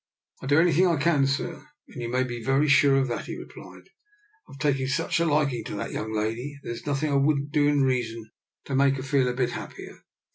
"" I'll do anything I can, sir, and you be very sure of that," he replied. " I've ta| such a liking to that young lady that th< nothing I wouldn't do in reason to mak< feel a bit happier.